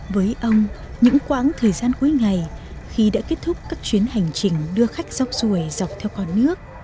với ông những quãng thời gian cuối ngày khi đã kết thúc các chuyến hành trình đưa khách dọc ruồi dọc theo con nước